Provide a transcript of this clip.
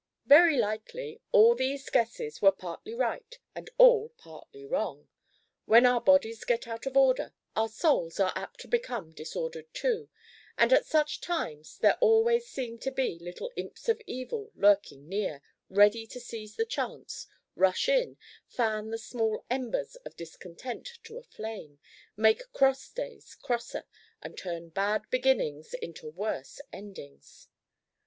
Very likely all these guesses were partly right and all partly wrong. When our bodies get out of order, our souls are apt to become disordered too, and at such times there always seem to be little imps of evil lurking near, ready to seize the chance, rush in, fan the small embers of discontent to a flame, make cross days crosser, and turn bad beginnings into worse endings.